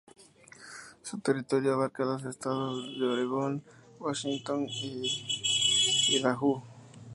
Su territorio abarca los estados de Oregón, Washington y Idaho.